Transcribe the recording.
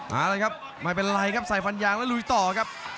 เอาละครับไม่เป็นไรครับใส่ฟันยางแล้วลุยต่อครับ